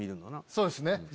そうですね。